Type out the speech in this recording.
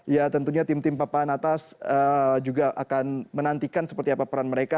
ya tentunya tim tim papan atas juga akan menantikan seperti apa peran mereka